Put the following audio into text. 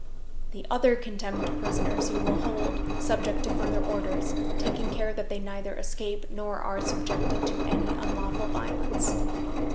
"The other condemned prisoners you will hold, subject to further orders, taking care that they neither escape nor are subjected to any unlawful violence.